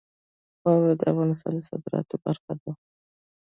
واوره د افغانستان د صادراتو برخه ده.